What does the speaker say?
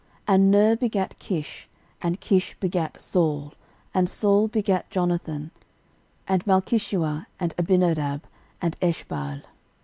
13:008:033 And Ner begat Kish, and Kish begat Saul, and Saul begat Jonathan, and Malchishua, and Abinadab, and Eshbaal.